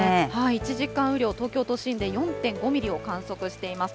１時間雨量、東京都心で４．５ミリを観測しています。